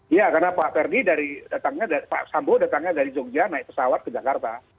iya karena pak sambu datangnya dari jogja naik pesawat ke jakarta